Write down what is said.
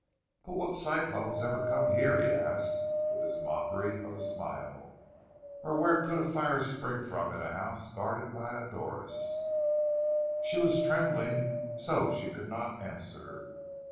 "But what cyclones ever come here?" he asked, with his mockery of a smile. "Or where could a fire spring from in a house guarded by a Doris?" She was trembling so she could not answer.